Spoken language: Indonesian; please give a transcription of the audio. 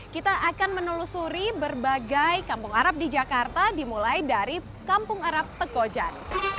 kita akan menelusuri berbagai kampung arab di jakarta dimulai dari kampung arab tekojan